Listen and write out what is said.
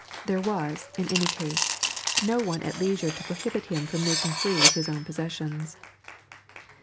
There was, in any case, no one at leisure to prohibit him from making free with his own possessions.